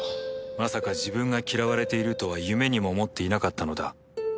まさか自分が嫌われているとは夢にも思っていなかったのだ。